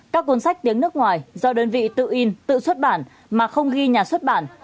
các cuốn sách tiếng nước ngoài do đơn vị tự in tự xuất bản mà không ghi nhà xuất bản